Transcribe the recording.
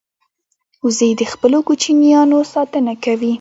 وزې د خپلو کوچنیانو ساتنه کوي